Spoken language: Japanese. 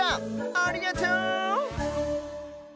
ありがとう！